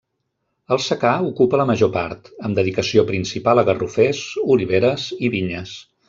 El secà ocupa la major part, amb dedicació principal a garrofers, oliveres i vinyes.